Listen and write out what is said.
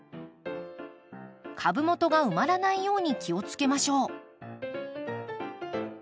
株元が埋まらないように気をつけましょう。